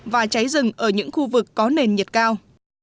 và cháy rừng ở những khu vực có nền nhiệt cao